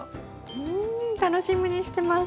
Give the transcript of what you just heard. うん楽しみにしてます。